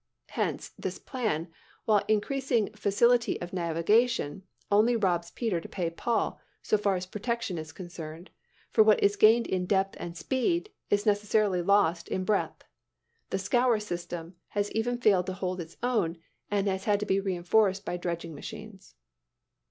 Hence, this plan, while increasing facility of navigation, only robs Peter to pay Paul, so far as protection is concerned; for what is gained in depth and speed, is necessarily lost in breadth. The "scour" system has even failed to hold its own, and has had to be reinforced by dredging machines.